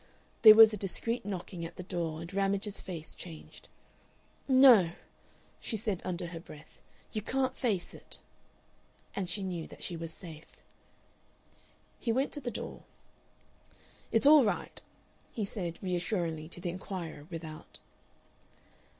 There was a discreet knocking at the door, and Ramage's face changed. "No," she said, under her breath, "you can't face it." And she knew that she was safe. He went to the door. "It's all right," he said, reassuringly to the inquirer without.